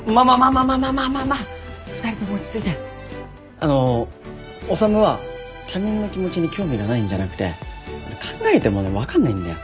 あの修は他人の気持ちに興味がないんじゃなくて考えてもね分かんないんだよ。